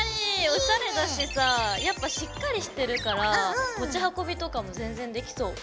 おしゃれだしさあやっぱしっかりしてるから持ち運びとかも全然できそう。